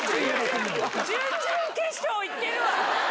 準々決勝行ってるわ！